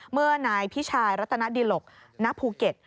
เมื่อนายพิชายรัตนดิหลกณภูเก็ต